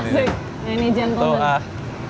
nah ini gentleman